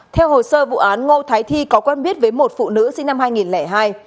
theo hồ sơ vụ án ngô thái thi có quen biết với một phụ nữ sinh năm hai nghìn hai